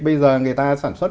bây giờ người ta sản xuất